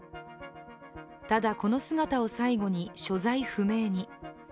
ただ、この姿を最後に所在不明に。